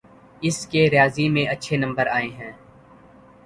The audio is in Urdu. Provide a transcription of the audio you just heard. اس کے ریاضی میں اچھے نمبر آئے ہیں